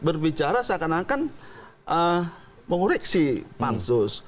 berbicara seakan akan mengoreksi pansus